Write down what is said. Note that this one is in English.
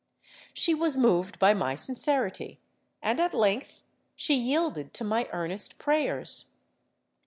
She was moved by my sincerity—and at length she yielded to my earnest prayers.